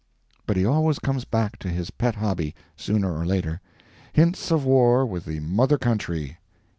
But he always comes back to his pet hobby, sooner or later—hints of war with the mother country.